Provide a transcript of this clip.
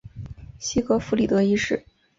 西格弗里德一世。